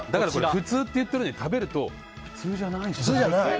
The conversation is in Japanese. ふつうって言ってるのに食べると普通じゃないんですよ。